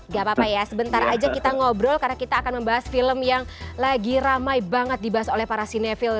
gak apa apa ya sebentar aja kita ngobrol karena kita akan membahas film yang lagi ramai banget dibahas oleh para sinevil